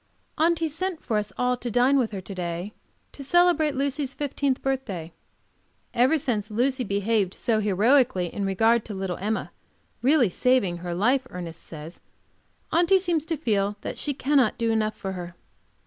AUNTY sent for us all to dine with her to day to celebrate Lucy's fifteenth birthday. Ever since Lucy behaved so heroically in regard to little Emma, really saving her life, Ernest says Aunty seems to feel that she cannot do enough for her.